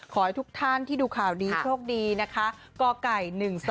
ขอให้ทุกท่านที่ดูข่าวดีโชคดีนะคะกไก่๑๒